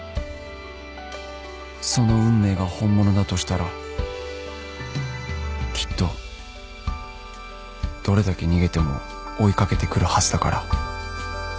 その運命が本物だとしたらきっとどれだけ逃げても追い掛けてくるはずだから